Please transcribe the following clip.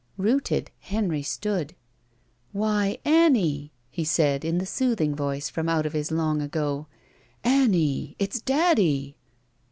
Rooted, Henry stood. "Why, Annie!" he said in the soothing voice from out of his long ago, "Aimie — it's daddy!"